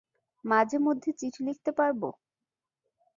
মাঝেমধ্যে চিঠি লিখতে পারব?